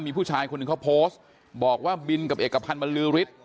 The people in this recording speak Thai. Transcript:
มีผู้ชายคนหนึ่งเขาโพสต์บอกว่าบินกับเอกพันธ์บรรลือฤทธิ์